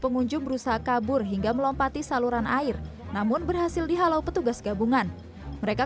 pengunjung berusaha kabur hingga melompati saluran air namun berhasil dihalau petugas gabungan mereka